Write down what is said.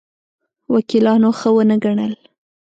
وکیلانو ښه ونه ګڼل.